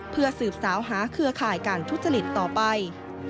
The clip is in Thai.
เพื่อสืบสาวหาเครือข่ายการทุจริตต่อไป